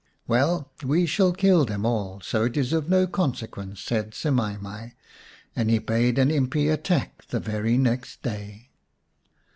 " Well, we shall kill them all, so it is of no consequence," said Semai mai, and he bade an impi attack the very next day.